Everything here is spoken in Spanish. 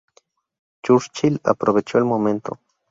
Churchill aprovechó el momento.